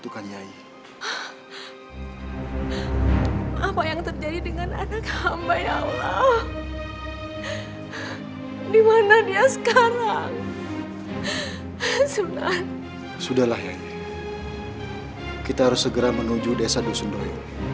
kita harus segera menuju desa dusun doyo